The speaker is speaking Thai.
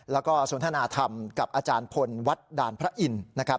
แล้วก็สนทนาธรรมกับอาจารย์พลวัดด่านพระอินทร์นะครับ